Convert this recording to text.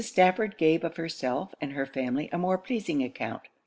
Stafford gave of herself and her family a more pleasing account.